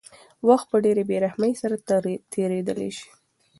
وخت په ډېرې بېرحمۍ سره تېرېدلی شي.